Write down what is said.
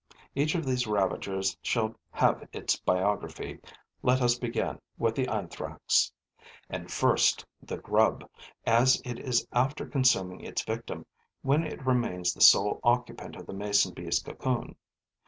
Each of these ravagers shall have its biography. Let us begin with the Anthrax. And first the grub, as it is after consuming its victim, when it remains the sole occupant of the mason bee's cocoon.